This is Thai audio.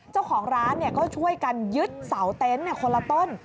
เจ้าของร้านก็ช่วยกันยึดเสาเต็นต์คนละต้น